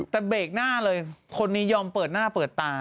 แต่เบรกหน้าเลยคนนี้ยอมเปิดหน้าเปิดตา